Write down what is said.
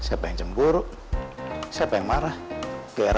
apa ada masalahnya sih denganorg